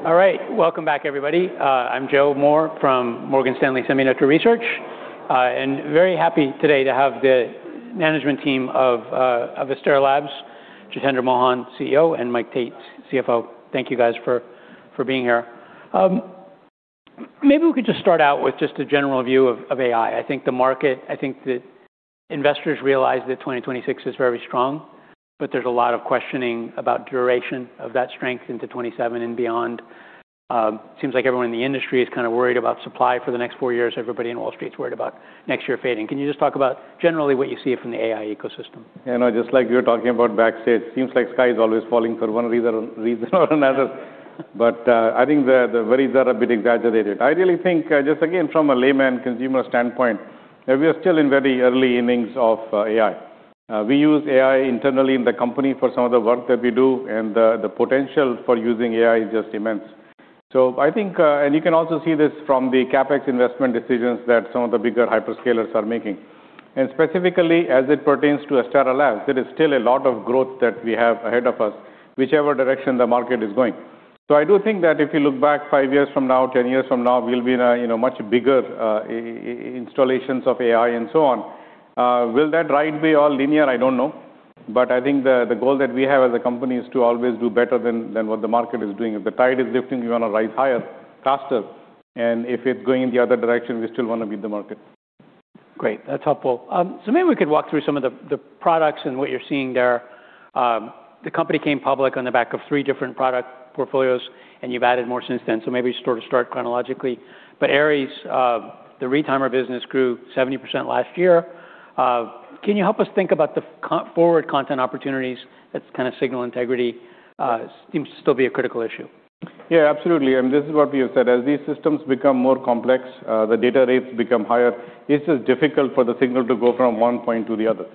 All right. Welcome back, everybody. I'm Joe Moore from Morgan Stanley Semiconductor Research, and very happy today to have the management team of Astera Labs, Jitendra Mohan, CEO, and Mike Tate, CFO. Thank you guys for being here. Maybe we could just start out with just a general view of AI. I think the investors realize that 2026 is very strong, but there's a lot of questioning about duration of that strength into 2027 and beyond. Seems like everyone in the industry is kind of worried about supply for the next four years. Everybody in Wall Street's worried about next year fading. Can you just talk about generally what you see from the AI ecosystem? You know, just like we were talking about backstage, seems like sky is always falling for one reason or another. I think the worries are a bit exaggerated. I really think, just again, from a layman consumer standpoint, that we are still in very early innings of AI. We use AI internally in the company for some of the work that we do, and the potential for using AI is just immense. I think, and you can also see this from the CapEx investment decisions that some of the bigger hyperscalers are making, and specifically as it pertains to Astera Labs, there is still a lot of growth that we have ahead of us, whichever direction the market is going. I do think that if you look back five years from now, 10 years from now, we'll be in a, you know, much bigger installations of AI and so on. Will that ride be all linear? I don't know. I think the goal that we have as a company is to always do better than what the market is doing. If the tide is lifting, we wanna ride higher, faster, and if it's going in the other direction, we still wanna beat the market. Great. That's helpful. Maybe we could walk through some of the products and what you're seeing there. The company came public on the back of three different product portfolios, and you've added more since then. Maybe sort of start chronologically. Aries, the retimer business grew 70% last year. Can you help us think about the forward content opportunities that's kinda signal integrity, seems to still be a critical issue. Absolutely, this is what we have said. As these systems become more complex, the data rates become higher, it's just difficult for the signal to go from one point to the other.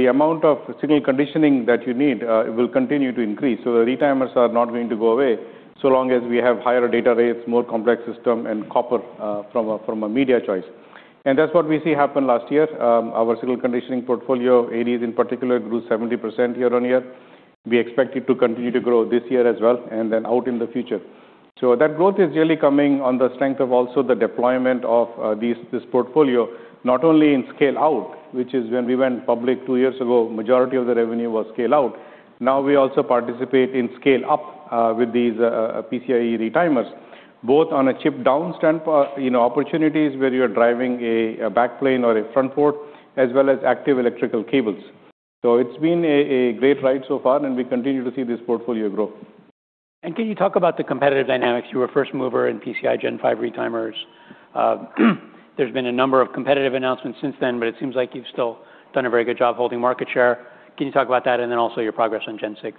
The amount of signal conditioning that you need will continue to increase. The retimers are not going to go away so long as we have higher data rates, more complex system, and copper from a, from a media choice. That's what we see happened last year. Our signal conditioning portfolio, Aries in particular, grew 70% year-over-year. We expect it to continue to grow this year as well and then out in the future. That growth is really coming on the strength of also the deployment of this portfolio, not only in scale out, which is when we went public two years ago, majority of the revenue was scale out. Now we also participate in scale up with these PCIe retimers, both on a chip down, you know, opportunities where you're driving a backplane or a front port, as well as active electrical cables. It's been a great ride so far, and we continue to see this portfolio grow. Can you talk about the competitive dynamics? You were first mover in PCIe Gen5 retimers. There's been a number of competitive announcements since then, but it seems like you've still done a very good job holding market share. Can you talk about that, and then also your progress on Gen6? Yeah.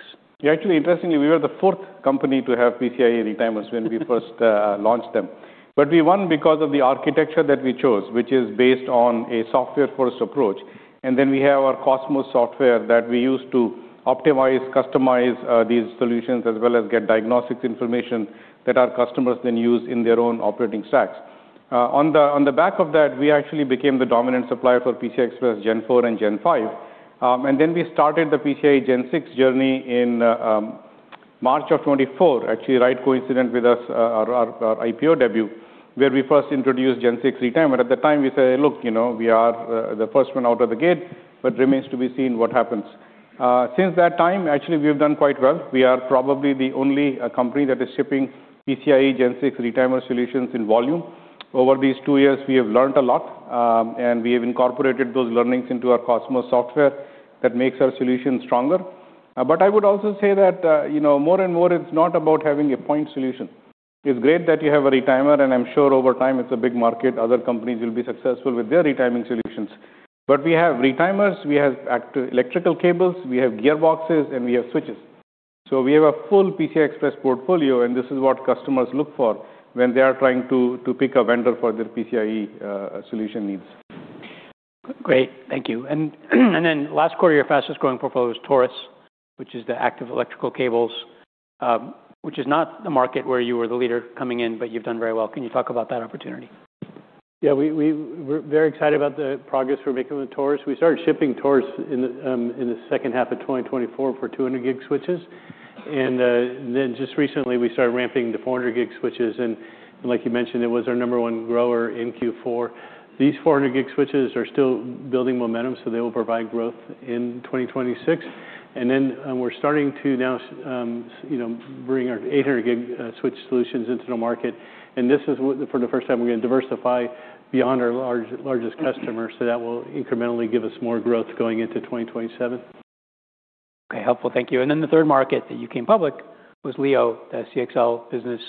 Actually, interestingly, we were the fourth company to have PCIe retimers when we first launched them. We won because of the architecture that we chose, which is based on a software-first approach. We have our COSMOS software that we use to optimize, customize, these solutions, as well as get diagnostics information that our customers then use in their own operating stacks. On the back of that, we actually became the dominant supplier for PCI Express Gen4 and Gen5. We started the PCIe Gen6 journey in March of 2024, actually right coincident with us, our IPO debut, where we first introduced Gen6 retimer. At the time, we say, "Look, you know, we are the first one out of the gate, but remains to be seen what happens." Since that time, actually, we have done quite well. We are probably the only company that is shipping PCIe Gen6 retimer solutions in volume. Over these two years, we have learnt a lot, and we have incorporated those learnings into our COSMOS software that makes our solution stronger. I would also say that, you know, more and more it's not about having a point solution. It's great that you have a retimer, and I'm sure over time it's a big market, other companies will be successful with their retiming solutions. We have retimers, we have electrical cables, we have gearboxes, and we have switches. We have a full PCI Express portfolio, and this is what customers look for when they are trying to pick a vendor for their PCIe solution needs. Great. Thank you. Then last quarter, your fastest growing portfolio was Taurus, which is the Active Electrical Cables, which is not a market where you were the leader coming in, but you've done very well. Can you talk about that opportunity? Yeah, we're very excited about the progress we're making with Taurus. We started shipping Taurus in the second half of 2024 for 200 gig switches. Then just recently we started ramping the 400 gig switches. Like you mentioned, it was our number one grower in Q4. These 400 gig switches are still building momentum, so they will provide growth in 2026. Then, we're starting to now, you know, bring our 800 gig switch solutions into the market. This is for the first time we're gonna diversify beyond our largest customer, so that will incrementally give us more growth going into 2027. Okay. Helpful. Thank you. The third market that you came public was Leo, the CXL business.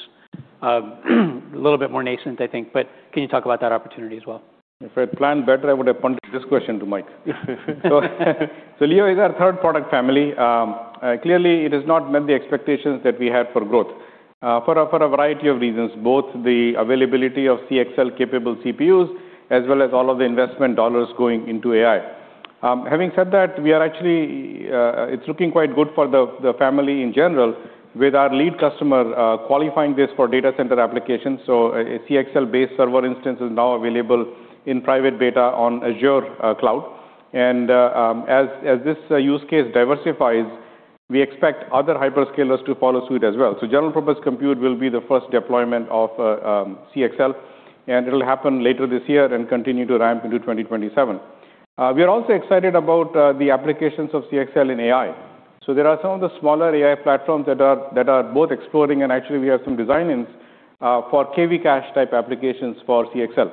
A little bit more nascent, I think, can you talk about that opportunity as well? If I planned better, I would have punted this question to Mike. Leo is our third product family. Clearly it has not met the expectations that we had for growth, for a variety of reasons, both the availability of CXL-capable CPUs as well as all of the investment dollars going into AI. Having said that, we are actually, it's looking quite good for the family in general with our lead customer, qualifying this for data center applications. A CXL-based server instance is now available in private beta on Azure cloud. As this use case diversifies, we expect other hyperscalers to follow suit as well. General purpose compute will be the first deployment of CXL, and it'll happen later this year and continue to ramp into 2027. We are also excited about the applications of CXL in AI. There are some of the smaller AI platforms that are both exploring and actually we have some design-ins for KV cache type applications for CXL.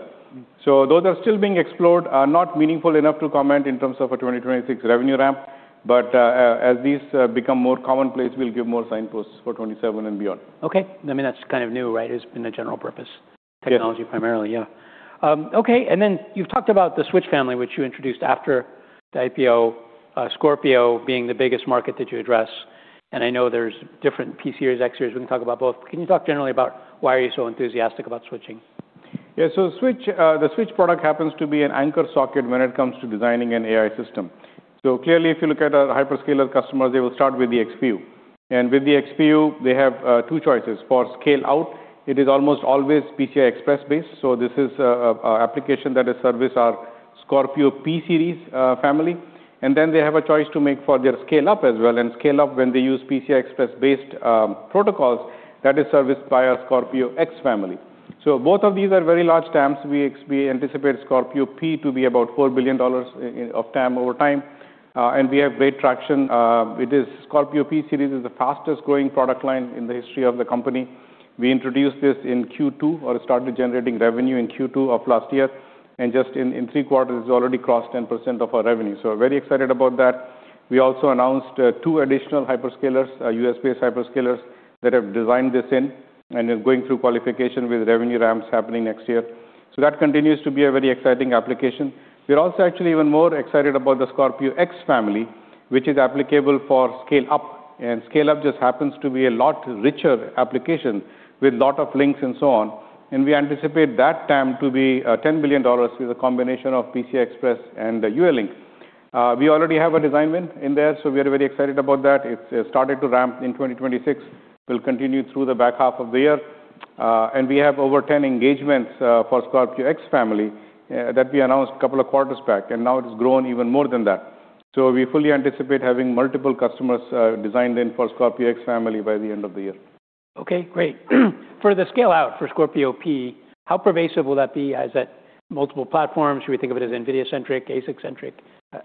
Those are still being explored, are not meaningful enough to comment in terms of a 2026 revenue ramp, but as these become more commonplace, we'll give more signposts for 2027 and beyond. Okay. I mean, that's kind of new, right? It's been a general purpose technology primarily. Yes. Okay. You've talked about the switch family, which you introduced after the IPO, Scorpio being the biggest market that you address. I know there's different P-series, X-series. We can talk about both. Can you talk generally about why are you so enthusiastic about switching? The switch product happens to be an anchor socket when it comes to designing an AI system. Clearly, if you look at our hyperscaler customers, they will start with the XPU. With the XPU, they have two choices. For scale out, it is almost always PCI Express based. This is application that is service our Scorpio P-series family. Then they have a choice to make for their scale up as well. Scale up, when they use PCI Express based protocols, that is serviced by our Scorpio X-series family. Both of these are very large TAMs. We anticipate Scorpio P to be about $4 billion in, of TAM over time. We have great traction. It is Scorpio P-series is the fastest growing product line in the history of the company. We introduced this in Q2 or started generating revenue in Q2 of last year. Just in three quarters, it's already crossed 10% of our revenue. Very excited about that. We also announced two additional hyperscalers, U.S.-based hyperscalers that have designed this in and is going through qualification with revenue ramps happening next year. That continues to be a very exciting application. We're also actually even more excited about the Scorpio X-series family, which is applicable for scale up. Scale up just happens to be a lot richer application with lot of links and so on. We anticipate that TAM to be $10 billion with a combination of PCI Express and the UALink. We already have a design win in there. We are very excited about that. It's started to ramp in 2026. We'll continue through the back half of the year. We have over 10 engagements for Scorpio X-series family that we announced a couple of quarters back, and now it has grown even more than that. We fully anticipate having multiple customers designed in for Scorpio X-series family by the end of the year. Okay, great. For the scale out for Scorpio P, how pervasive will that be? Is that multiple platforms? Should we think of it as NVIDIA-centric, ASIC-centric?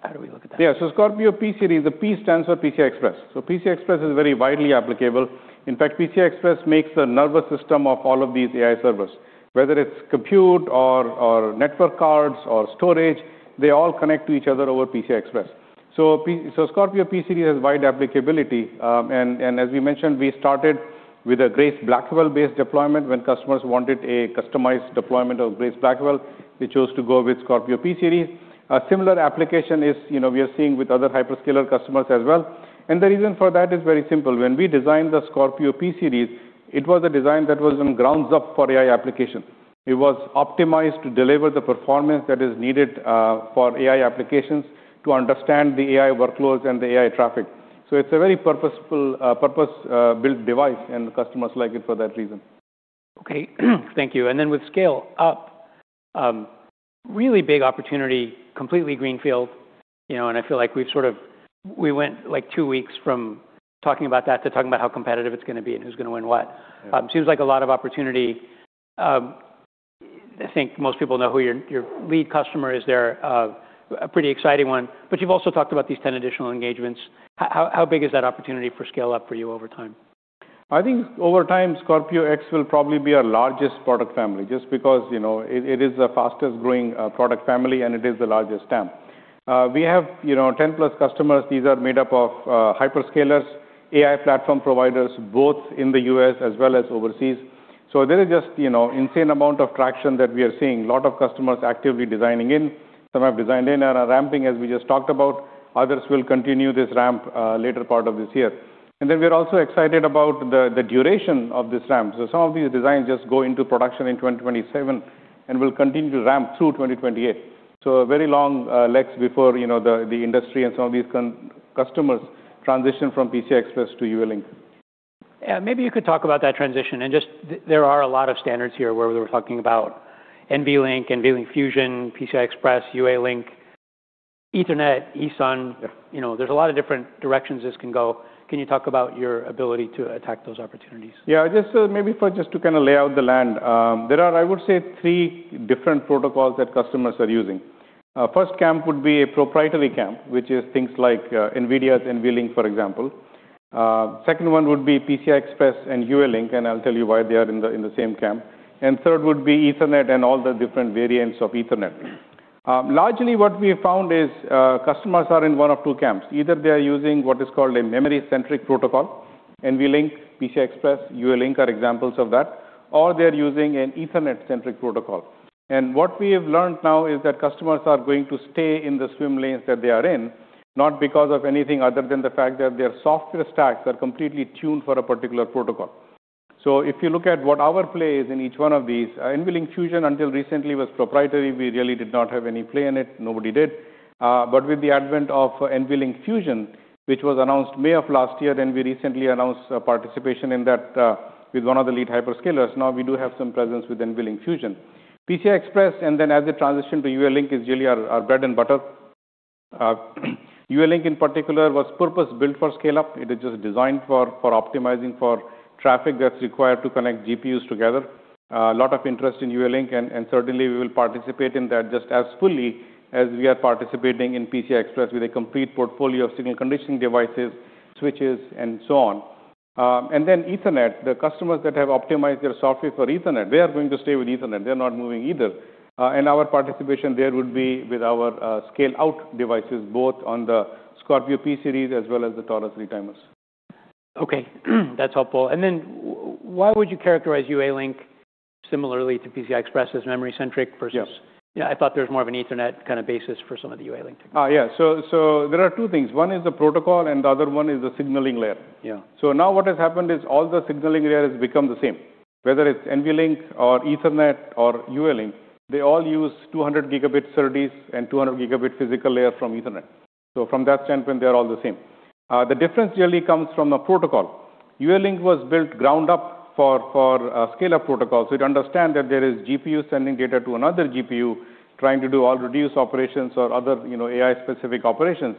How do we look at that? Yeah. Scorpio P-series, the P stands for PCI Express. PCI Express is very widely applicable. In fact, PCI Express makes the nervous system of all of these AI servers, whether it's compute or network cards or storage, they all connect to each other over PCI Express. Scorpio P-series has wide applicability. As we mentioned, we started with a Grace Blackwell-based deployment. When customers wanted a customized deployment of Grace Blackwell, they chose to go with Scorpio P-series. A similar application is, you know, we are seeing with other hyperscaler customers as well. The reason for that is very simple. When we designed the Scorpio P-series, it was a design that was on ground up for AI application. It was optimized to deliver the performance that is needed for AI applications to understand the AI workloads and the AI traffic. It's a very purposeful, purpose built device, and the customers like it for that reason. Okay. Thank you. With scale up, really big opportunity, completely greenfield, you know, We went, like, two weeks from talking about that to talking about how competitive it's going to be and who's going to win what. Seems like a lot of opportunity. I think most people know who your lead customer is. They're a pretty exciting one. You've also talked about these 10 additional engagements. How big is that opportunity for scale up for you over time? I think over time, Scorpio X-series will probably be our largest product family just because, you know, it is the fastest growing product family, and it is the largest TAM. We have, you know, 10-plus customers. These are made up of hyperscalers, AI platform providers, both in the U.S. as well as overseas. There is just, you know, insane amount of traction that we are seeing. A lot of customers actively designing in. Some have designed in and are ramping as we just talked about. Others will continue this ramp later part of this year. We're also excited about the duration of this ramp. Some of these designs just go into production in 2027 and will continue to ramp through 2028. A very long legs before, you know, the industry and some of these customers transition from PCI Express to UALink. Yeah. Maybe you could talk about that transition. There are a lot of standards here where we were talking about NVLink Fusion, PCI Express, UALink, Ethernet, AECs. You know, there's a lot of different directions this can go. Can you talk about your ability to attack those opportunities? Yeah. Just maybe for just to kinda lay out the land. There are, I would say, three different protocols that customers are using. First camp would be a proprietary camp, which is things like NVIDIA's NVLink, for example. Second one would be PCI Express and UALink, and I'll tell you why they are in the same camp. Third would be Ethernet and all the different variants of Ethernet. Largely what we found is, customers are in one of two camps. Either they are using what is called a memory-centric protocol, NVLink, PCI Express, UALink are examples of that, or they're using an Ethernet-centric protocol. What we have learned now is that customers are going to stay in the swim lanes that they are in, not because of anything other than the fact that their software stacks are completely tuned for a particular protocol. If you look at what our play is in each one of these, NVLink Fusion until recently was proprietary. We really did not have any play in it. Nobody did. With the advent of NVLink Fusion, which was announced May of last year, we recently announced participation in that with one of the lead hyperscalers. We do have some presence with NVLink Fusion. PCI Express and as they transition to UALink is really our bread and butter. UALink in particular was purpose-built for scale-up. It is just designed for optimizing for traffic that's required to connect GPUs together. A lot of interest in UALink, and certainly we will participate in that just as fully as we are participating in PCI Express with a complete portfolio of signal conditioning devices, switches, and so on. Ethernet, the customers that have optimized their software for Ethernet, they are going to stay with Ethernet. They are not moving either. Our participation there would be with our scale-out devices, both on the Scorpio P-series as well as the Taurus retimers. Okay. That's helpful. Why would you characterize UALink similarly to PCI Express as memory-centric versus. Yeah, I thought there was more of an Ethernet kind of basis for some of the UALink technology. Yeah. There are two things. One is the protocol, and the other one is the signaling layer. Now what has happened is all the signaling layer has become the same. Whether it's NVLink or Ethernet or UALink, they all use 200 gigabit SERDES and 200 gigabit physical layer from Ethernet. From that standpoint, they are all the same. The difference really comes from the protocol. UALink was built ground up for scale-up protocols. It understand that there is GPU sending data to another GPU trying to do All-Reduce operations or other, you know, AI-specific operations.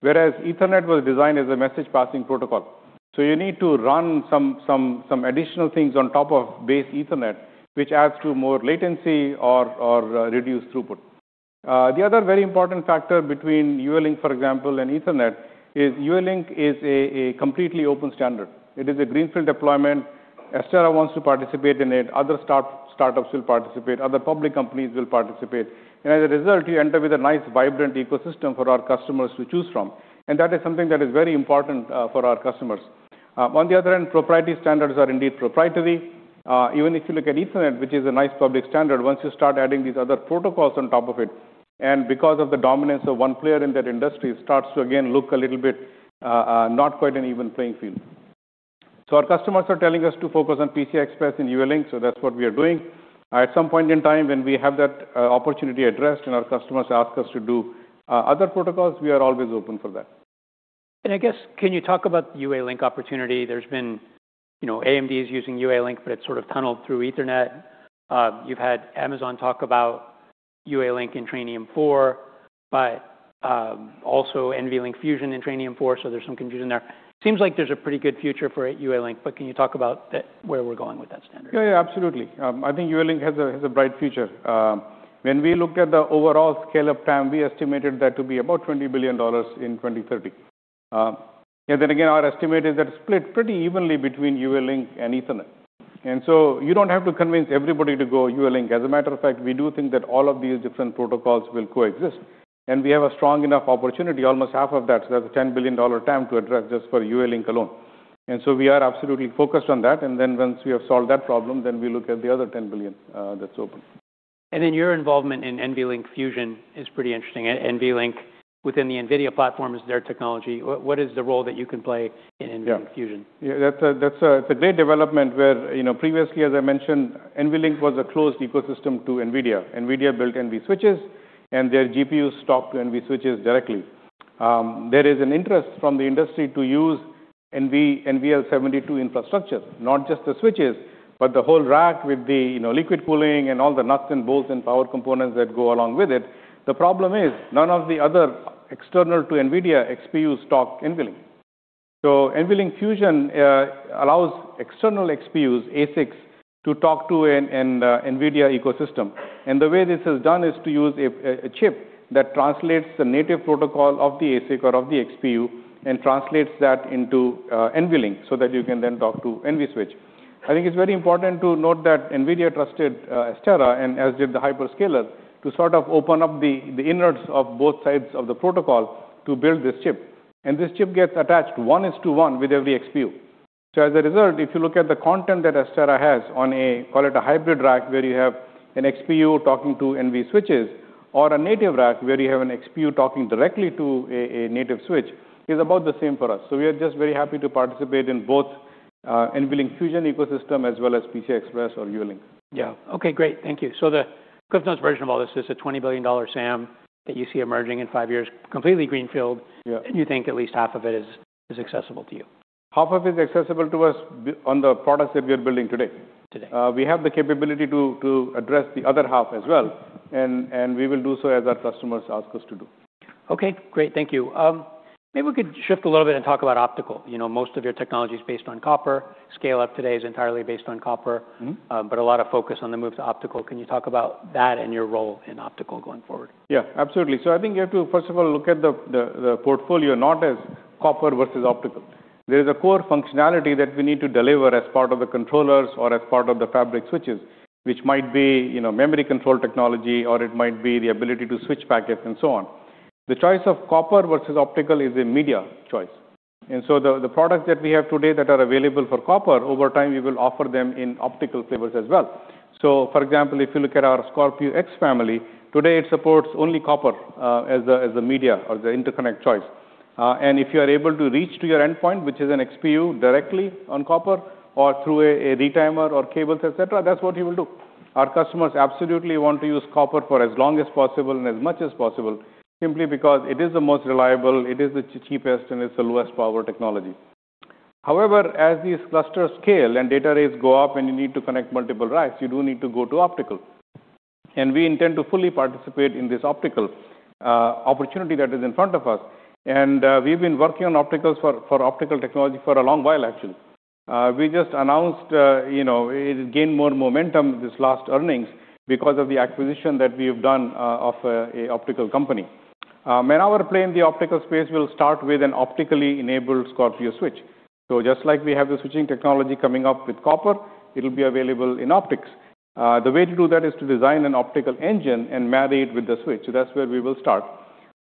Whereas Ethernet was designed as a message passing protocol. You need to run some additional things on top of base Ethernet, which adds to more latency or reduced throughput. The other very important factor between UALink, for example, and Ethernet is UALink is a completely open standard. It is a greenfield deployment. Astera wants to participate in it, other startups will participate, other public companies will participate. As a result, you end up with a nice, vibrant ecosystem for our customers to choose from. That is something that is very important for our customers. On the other end, proprietary standards are indeed proprietary. Even if you look at Ethernet, which is a nice public standard, once you start adding these other protocols on top of it, and because of the dominance of one player in that industry, it starts to again look a little bit not quite an even playing field. Our customers are telling us to focus on PCI Express and UALink, so that's what we are doing. At some point in time when we have that opportunity addressed and our customers ask us to do other protocols, we are always open for that. I guess, can you talk about the UALink opportunity? There's been, you know, AMD is using UALink, but it's sort of tunneled through Ethernet. You've had Amazon talk about UALink in Trainium 4, but also NVLink Fusion in Trainium 4. There's some confusion there. Seems like there's a pretty good future for UALink. Can you talk about that, where we're going with that standard? Yeah, yeah, absolutely. I think UALink has a bright future. When we looked at the overall scale up TAM, we estimated that to be about $20 billion in 2030. Again, our estimate is that it's split pretty evenly between UALink and Ethernet. You don't have to convince everybody to go UALink. As a matter of fact, we do think that all of these different protocols will coexist. We have a strong enough opportunity, almost half of that, so that's a $10 billion TAM to address just for UALink alone. We are absolutely focused on that, once we have solved that problem, we look at the other $10 billion that's open. Your involvement in NVLink Fusion is pretty interesting. NVLink within the NVIDIA platform is their technology. What is the role that you can play in NVLink Fusion? That's a great development where, you know, previously, as I mentioned, NVLink was a closed ecosystem to NVIDIA. NVIDIA built NVSwitches and their GPUs talked to NVSwitches directly. There is an interest from the industry to use NVL72 infrastructure, not just the switches, but the whole rack with the, you know, liquid cooling and all the nuts and bolts and power components that go along with it. The problem is none of the other external to NVIDIA XPU stock NVLink. NVLink Fusion allows external XPUs, ASICs to talk to NVIDIA ecosystem. The way this is done is to use a chip that translates the native protocol of the ASIC or of the XPU and translates that into NVLink so that you can then talk to NVSwitch. I think it's very important to note that NVIDIA trusted Astera and as did the hyperscalers to sort of open up the innards of both sides of the protocol to build this chip. This chip gets attached one is to 1 with every XPU. As a result, if you look at the content that Astera has on a, call it a hybrid rack, where you have an XPU talking to NVSwitches or a native rack where you have an XPU talking directly to a native switch, is about the same for us. We are just very happy to participate in both NVLink Fusion ecosystem as well as PCI Express or UALink. Yeah. Okay, great. Thank you. The cliff notes version of all this is a $20 billion SAM that you see emerging in five years, completely greenfield. You think at least half of it is accessible to you. Half of it is accessible to us on the products that we're building today. We have the capability to address the other half as well, and we will do so as our customers ask us to do. Okay, great. Thank you. Maybe we could shift a little bit and talk about optical. You know, most of your technology is based on copper. Scale up today is entirely based on copper. A lot of focus on the move to optical. Can you talk about that and your role in optical going forward? Yeah, absolutely. I think you have to first of all look at the portfolio not as copper versus optical. There is a core functionality that we need to deliver as part of the controllers or as part of the fabric switches, which might be, you know, memory control technology, or it might be the ability to switch packets and so on. The choice of copper versus optical is a media choice. The products that we have today that are available for copper, over time, we will offer them in optical flavors as well. For example, if you look at our Scorpio X family, today it supports only copper as the media or the interconnect choice and if you are able to reach to your endpoint, which is an XPU directly on copper or through a retimer or cables, et cetera, that's what you will do. Our customers absolutely want to use copper for as long as possible and as much as possible, simply because it is the most reliable, it is the cheapest, and it's the lowest power technology. However, as these clusters scale and data rates go up and you need to connect multiple racks, you do need to go to optical. We intend to fully participate in this optical opportunity that is in front of us. We've been working on opticals for optical technology for a long while, actually. We just announced, you know, it gained more momentum this last earnings because of the acquisition that we have done of a optical company. Our play in the optical space will start with an optically enabled Scorpio switch. Just like we have the switching technology coming up with copper, it'll be available in optics. The way to do that is to design an optical engine and marry it with the switch. That's where we will start.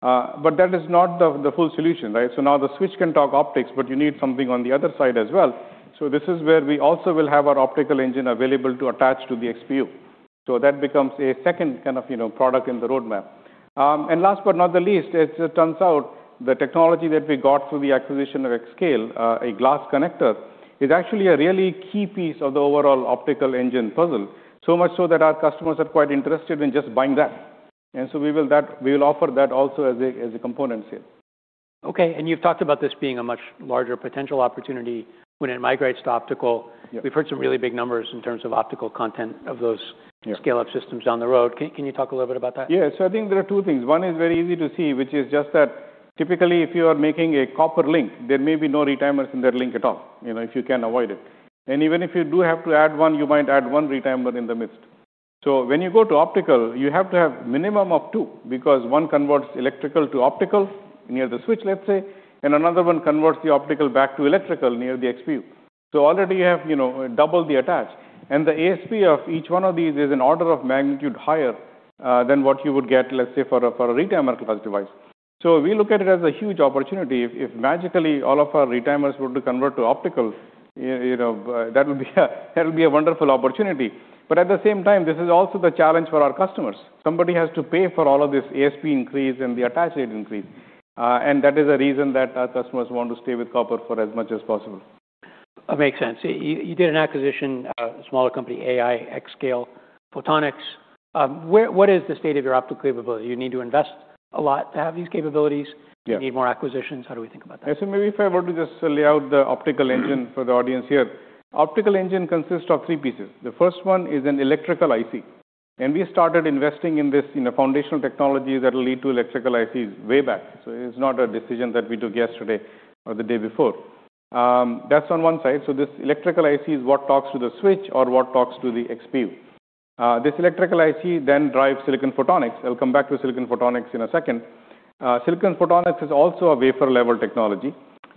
That is not the full solution, right? Now the switch can talk optics, but you need something on the other side as well. This is where we also will have our optical engine available to attach to the XPU. That becomes a second kind of, you know, product in the roadmap. Last but not the least, it turns out the technology that we got through the acquisition of aiXscale, a glass connector, is actually a really key piece of the overall optical engine puzzle. So much so that our customers are quite interested in just buying that. We will offer that also as a component set. Okay. You've talked about this being a much larger potential opportunity when it migrates to optical. We've heard some really big numbers in terms of optical content of those scale-up systems down the road. Can you talk a little bit about that? I think there are two things. One is very easy to see, which is just that typically, if you are making a copper link, there may be no retimers in that link at all, you know, if you can avoid it. Even if you do have to add one, you might add one retimer in the midst. When you go to optical, you have to have minimum of two, because one converts electrical to optical near the switch, let's say, and another one converts the optical back to electrical near the XPU. Already you have, you know, double the attach. The ASP of each one of these is an order of magnitude higher than what you would get, let's say, for a, for a retimer device. We look at it as a huge opportunity. If magically all of our retimers were to convert to optical, you know, that would be a wonderful opportunity. At the same time, this is also the challenge for our customers. Somebody has to pay for all of this ASP increase and the attach rate increase. That is a reason that our customers want to stay with copper for as much as possible. That makes sense. You did an acquisition, a smaller company, aiXscale Photonics. What is the state of your optical capability? You need to invest a lot to have these capabilities. You need more acquisitions. How do we think about that? Maybe if I were to just lay out the optical engine for the audience here. Optical engine consists of three pieces. The first one is an electrical IC. We started investing in this, in the foundational technology that will lead to electrical ICs way back. It's not a decision that we took yesterday or the day before. That's on one side. This electrical IC is what talks to the switch or what talks to the XPU. This electrical IC then drives silicon photonics. I'll come back to silicon photonics in a second. Silicon photonics is also a wafer level technology.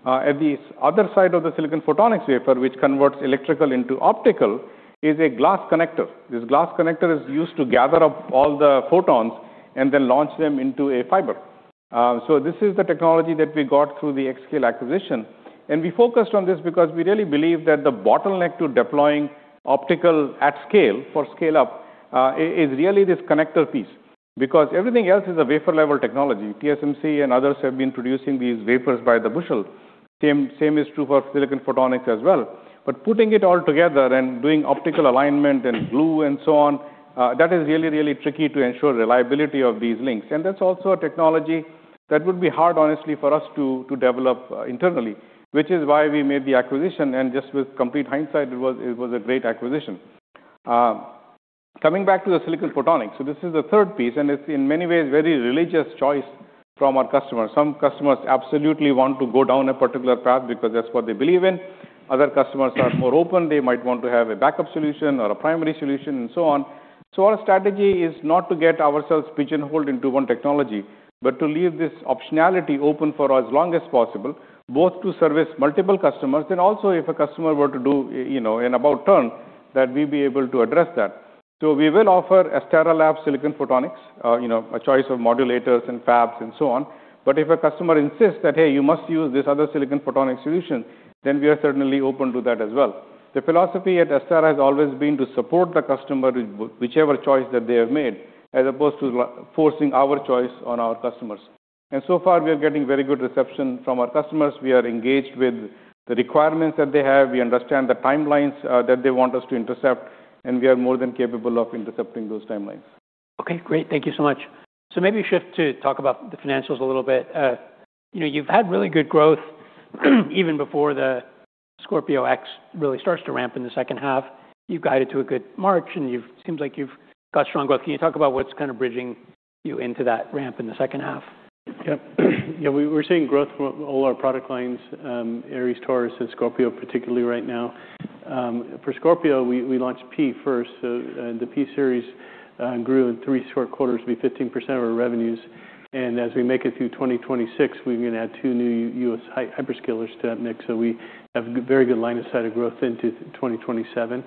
At the other side of the silicon photonics wafer, which converts electrical into optical, is a glass connector. This glass connector is used to gather up all the photons and then launch them into a fiber. This is the technology that we got through the aixscale acquisition. We focused on this because we really believe that the bottleneck to deploying optical at scale for scale up is really this connector piece. Everything else is a wafer level technology. TSMC and others have been producing these wafers by the bushel. Same is true for silicon photonics as well. Putting it all together and doing optical alignment and glue and so on, that is really tricky to ensure reliability of these links. That's also a technology that would be hard, honestly, for us to develop internally, which is why we made the acquisition. Just with complete hindsight, it was a great acquisition. Coming back to the silicon photonics. This is the third piece, and it's in many ways very religious choice from our customers. Some customers absolutely want to go down a particular path because that's what they believe in. Other customers are more open. They might want to have a backup solution or a primary solution and so on. Our strategy is not to get ourselves pigeonholed into one technology, but to leave this optionality open for as long as possible, both to service multiple customers and also if a customer were to do, you know, an about-turn, that we'd be able to address that. We will offer Astera Labs silicon photonics, you know, a choice of modulators and fabs and so on. If a customer insists that, "Hey, you must use this other silicon photonics solution," then we are certainly open to that as well. The philosophy at Astera has always been to support the customer with whichever choice that they have made, as opposed to forcing our choice on our customers. So far, we are getting very good reception from our customers. We are engaged with the requirements that they have. We understand the timelines that they want us to intercept, and we are more than capable of intercepting those timelines. Okay, great. Thank you so much. Maybe shift to talk about the financials a little bit. You know, you've had really good growth even before the Scorpio X-series really starts to ramp in the second half. You've guided to a good March, and seems like you've got strong growth. Can you talk about what's kind of bridging you into that ramp in the second half? Yep. You know, we're seeing growth from all our product lines, Aries, Taurus and Scorpio, particularly right now. For Scorpio, we launched P first. The P-series grew in three short quarters to be 15% of our revenues. As we make it through 2026, we're gonna add two new U.S. hyperscalers to that mix. We have very good line of sight of growth into 2027.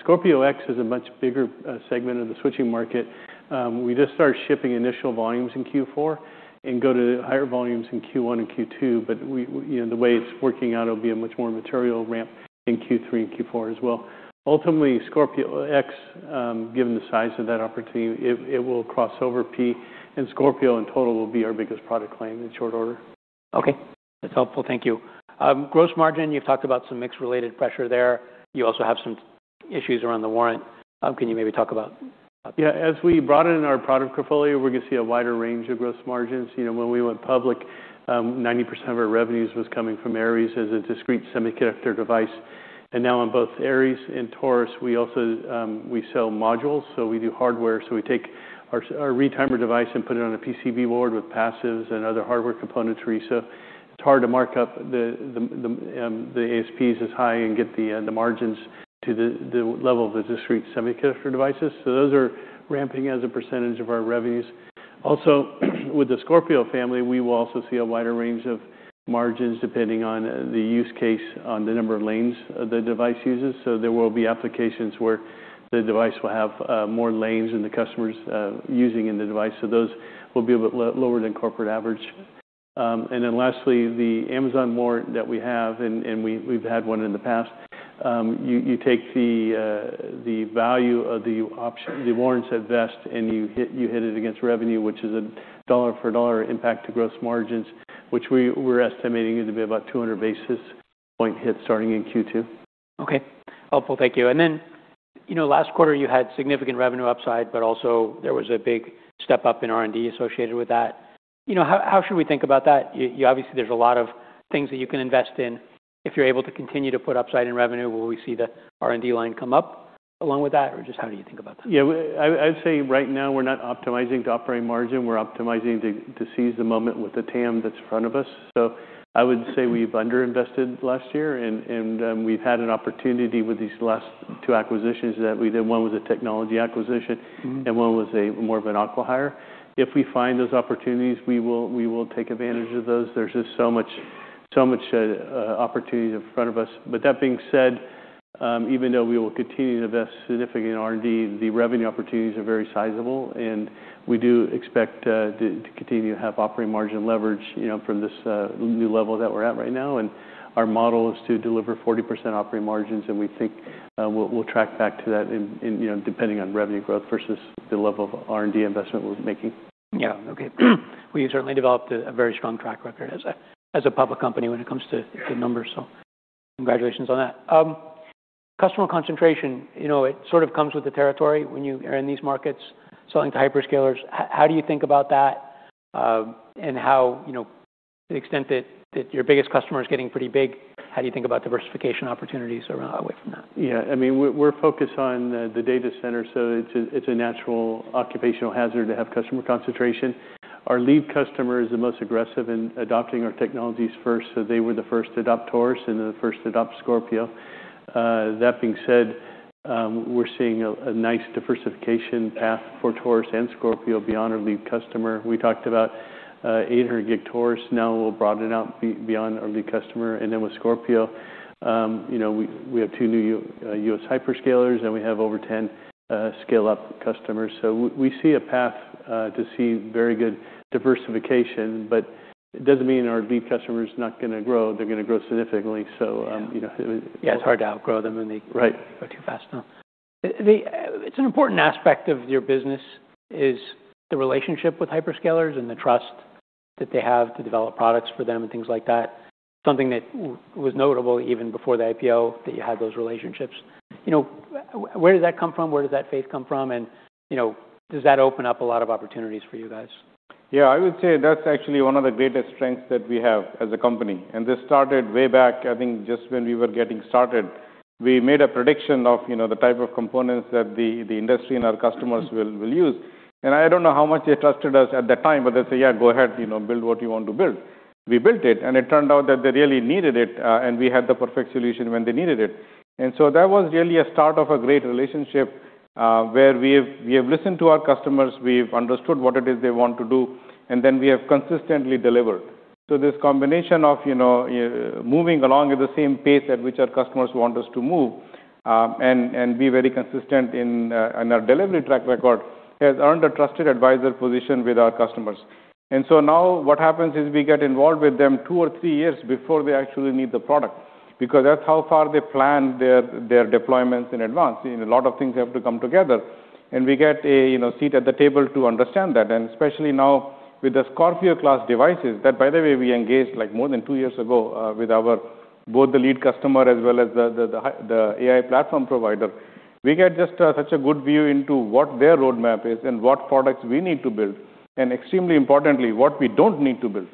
Scorpio X-series is a much bigger segment of the switching market. We just started shipping initial volumes in Q4 and go to higher volumes in Q1 and Q2, you know, the way it's working out, it'll be a much more material ramp in Q3 and Q4 as well. Ultimately, Scorpio X-series, given the size of that opportunity, it will cross over P, and Scorpio in total will be our biggest product line in short order. Okay. That's helpful. Thank you. Gross margin, you've talked about some mix-related pressure there. You also have some issues around the warrant. Can you maybe talk about? Yeah. As we brought in our product portfolio, we're gonna see a wider range of gross margins. You know, when we went public, 90% of our revenues was coming from Aries as a discrete semiconductor device. Now in both Aries and Taurus, we also sell modules, so we do hardware. We take our retimer device and put it on a PCB board with passives and other hardware components for AEC. It's hard to mark up the ASPs as high and get the margins to the level of the discrete semiconductor devices. Those are ramping as a percentage of our revenues. With the Scorpio family, we will also see a wider range of margins depending on the use case on the number of lanes the device uses. There will be applications where the device will have more lanes than the customer's using in the device. Those will be a bit lower than corporate average. Lastly, the Amazon warrant that we have, and we've had one in the past. You take the value of the warrants at vest, and you hit it against revenue, which is a dollar for dollar impact to gross margins, which we're estimating it to be about 200 basis point hit starting in Q2. Okay. Helpful. Thank you. Then, you know, last quarter you had significant revenue upside, but also there was a big step up in R&D associated with that. You know, how should we think about that? Obviously, there's a lot of things that you can invest in if you're able to continue to put upside in revenue. Will we see the R&D line come up along with that, or just how do you think about that? Yeah. I'd say right now we're not optimizing to operating margin, we're optimizing to seize the moment with the TAM that's in front of us. I would say we've underinvested last year and we've had an opportunity with these last two acquisitions that we did. One was a technology acquisition. One was a more of an acqui-hire. If we find those opportunities, we will take advantage of those. There's just so much opportunity in front of us. That being said, even though we will continue to invest significant in R&D, the revenue opportunities are very sizable, and we do expect to continue to have operating margin leverage, you know, from this new level that we're at right now. Our model is to deliver 40% operating margins, and we think we'll track back to that in, you know, depending on revenue growth versus the level of R&D investment we're making. Yeah. Okay. Well, you certainly developed a very strong track record as a public company when it comes to numbers, congratulations on that. Customer concentration, you know, it sort of comes with the territory when you are in these markets selling to hyperscalers. How do you think about that, how, you know, the extent that your biggest customer is getting pretty big, how do you think about diversification opportunities around away from that? Yeah. I mean, we're focused on the data center, so it's a, it's a natural occupational hazard to have customer concentration. Our lead customer is the most aggressive in adopting our technologies first, so they were the first to adopt Taurus and the first to adopt Scorpio. That being said, we're seeing a nice diversification path for Taurus and Scorpio beyond our lead customer. We talked about 800 gig Taurus, now a little broadened out beyond our lead customer. And then with Scorpio, you know, we have two new U.S. hyperscalers, and we have over 10 scaleup customers. We see a path to see very good diversification, but it doesn't mean our lead customer is not gonna grow. They're gonna grow significantly. You know. Yeah. It's hard to outgrow them when they grow too fast. No. The It's an important aspect of your business is the relationship with hyperscalers and the trust that they have to develop products for them and things like that. Something that was notable even before the IPO, that you had those relationships. You know, where does that come from? Where does that faith come from? You know, does that open up a lot of opportunities for you guys? Yeah. I would say that's actually one of the greatest strengths that we have as a company. This started way back, I think, just when we were getting started. We made a prediction of, you know, the type of components that the industry and our customers will use. I don't know how much they trusted us at that time, but they say, "Yeah, go ahead. You know, build what you want to build." We built it, and it turned out that they really needed it, and we had the perfect solution when they needed it. That was really a start of a great relationship, where we have listened to our customers, we've understood what it is they want to do, and then we have consistently delivered. This combination of, you know, moving along at the same pace at which our customers want us to move, and be very consistent in our delivery track record, has earned a trusted advisor position with our customers. Now what happens is we get involved with them two or three years before they actually need the product, because that's how far they plan their deployments in advance. You know, a lot of things have to come together. We get a, you know, seat at the table to understand that. Especially now with the Scorpio class devices that, by the way, we engaged like more than two years ago, with both the lead customer as well as the AI platform provider. We get just such a good view into what their roadmap is and what products we need to build, and extremely importantly, what we don't need to build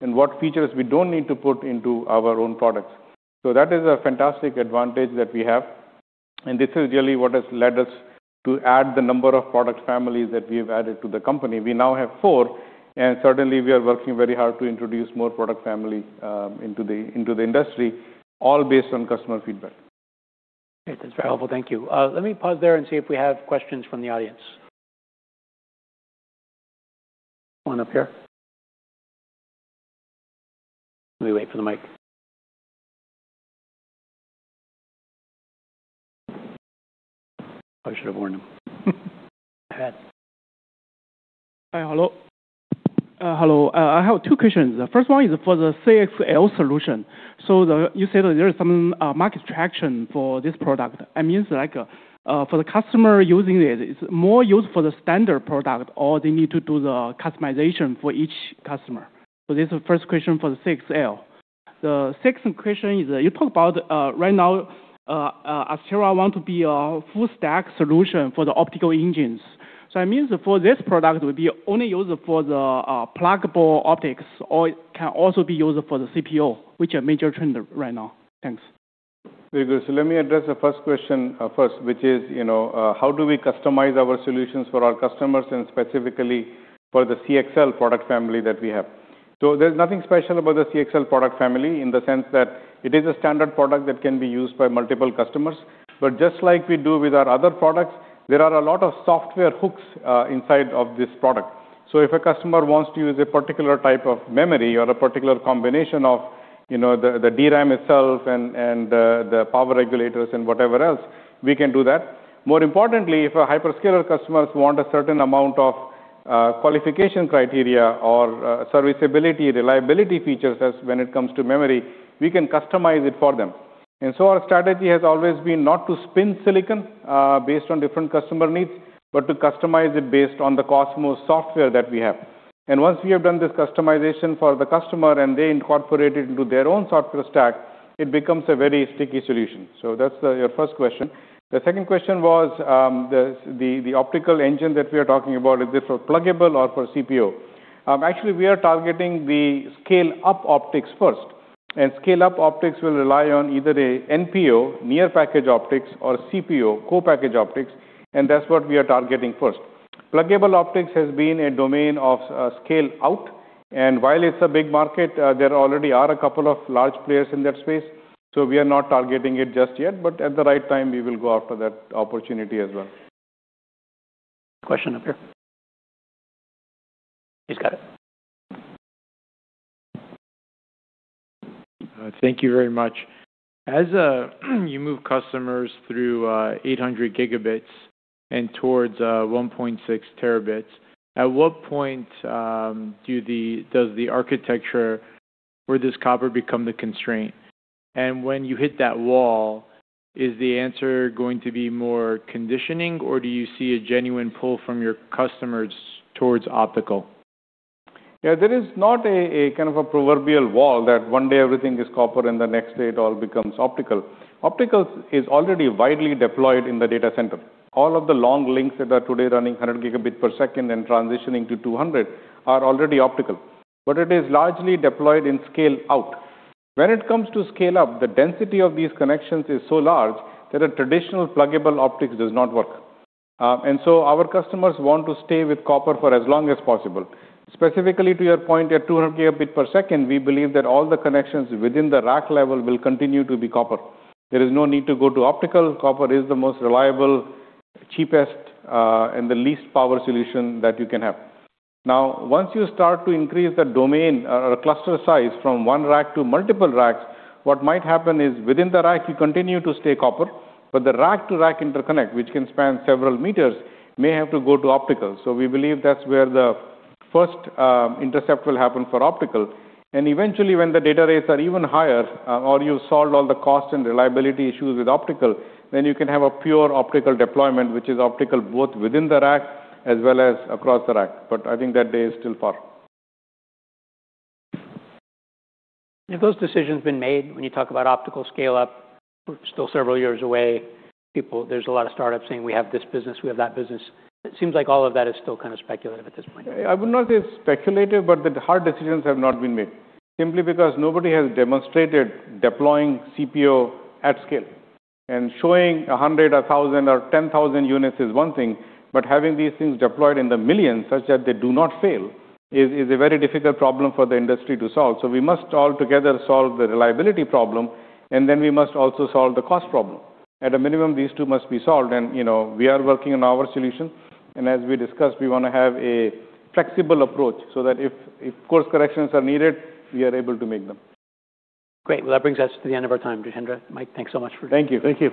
and what features we don't need to put into our own products. That is a fantastic advantage that we have, and this is really what has led us to add the number of product families that we've added to the company. We now have four, and certainly we are working very hard to introduce more product family into the industry, all based on customer feedback. That's very helpful. Thank you. Let me pause there and see if we have questions from the audience. One up here. Let me wait for the mic. I should have warned him. Go ahead. Hi. Hello. I have two questions. The first one is for the CXL solution. You said that there is some market traction for this product. That means like, for the customer using it's more used for the standard product or they need to do the customization for each customer? This is the first question for the CXL. The second question is you talk about right now, Astera want to be a full stack solution for the optical engines. It means for this product will be only used for the pluggable optics or it can also be used for the CPO, which are major trend right now. Thanks. Very good. Let me address the first question, first, which is, how do we customize our solutions for our customers and specifically for the CXL product family that we have? There's nothing special about the CXL product family in the sense that it is a standard product that can be used by multiple customers. Just like we do with our other products, there are a lot of software hooks inside of this product. If a customer wants to use a particular type of memory or a particular combination of, the DRAM itself and, the power regulators and whatever else, we can do that. More importantly, if our hyperscaler customers want a certain amount of qualification criteria or serviceability, reliability features as when it comes to memory, we can customize it for them. Our strategy has always been not to spin silicon based on different customer needs, but to customize it based on the COSMOS software that we have. Once we have done this customization for the customer and they incorporate it into their own software stack, it becomes a very sticky solution. That's your first question. The second question was the optical engine that we are talking about, is this for pluggable or for CPO? Actually, we are targeting the scale-up optics first. Scale-up optics will rely on either a NPO (Near-Package Optics) or CPO (Co-Packaged Optics) and that's what we are targeting first. Pluggable optics has been a domain of scale-out, and while it's a big market, there already are a couple of large players in that space, so we are not targeting it just yet. At the right time, we will go after that opportunity as well. Question up here. He's got it. Thank you very much. As you move customers through 800 gigabits and towards 1.6 terabits, at what point does the architecture or does copper become the constraint? When you hit that wall, is the answer going to be more conditioning, or do you see a genuine pull from your customers towards optical? There is not a kind of a proverbial wall that one day everything is copper and the next day it all becomes optical. Optical is already widely deployed in the data center. All of the long links that are today running 100 gigabit per second and transitioning to 200 are already optical. It is largely deployed in scale-out. When it comes to scale-up, the density of these connections is so large that a traditional pluggable optics does not work. Our customers want to stay with copper for as long as possible. Specifically, to your point, at 200 gigabit per second, we believe that all the connections within the rack level will continue to be copper. There is no need to go to optical. Copper is the most reliable, cheapest, and the least power solution that you can have. Once you start to increase the domain or cluster size from 1 rack to multiple racks, what might happen is within the rack, you continue to stay copper, but the rack-to-rack interconnect, which can span several meters, may have to go to optical. We believe that's where the first intercept will happen for optical. Eventually, when the data rates are even higher, or you solve all the cost and reliability issues with optical, then you can have a pure optical deployment, which is optical both within the rack as well as across the rack. I think that day is still far. Have those decisions been made when you talk about optical scale-up, we're still several years away. There's a lot of startups saying, "We have this business, we have that business." It seems like all of that is still kind of speculative at this point. I would not say speculative, but the hard decisions have not been made simply because nobody has demonstrated deploying CPO at scale. Showing 100, 1,000, or 10,000 units is one thing, but having these things deployed in the millions such that they do not fail is a very difficult problem for the industry to solve. We must all together solve the reliability problem, and then we must also solve the cost problem. At a minimum, these two must be solved and, you know, we are working on our solution. As we discussed, we wanna have a flexible approach so that if course corrections are needed, we are able to make them. Great. That brings us to the end of our time, Jitendra. Mike, thanks so much. Thank you. Thank you.